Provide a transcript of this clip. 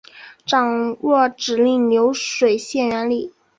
掌握指令流水线原理